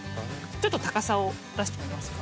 ちょっと高さを出してみますか？